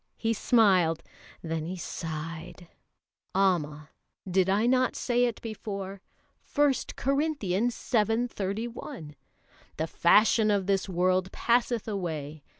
He smiled, then he sighed. "Amma! did I not say it before? 1 Corinthians vii. 31: 'The fashion of this world passeth away.'